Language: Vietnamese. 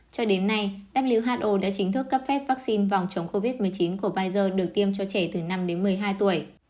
cho đến nay who đã chính thức cấp phép vaccine phòng chống covid một mươi chín của pizer được tiêm cho trẻ từ năm đến một mươi hai tuổi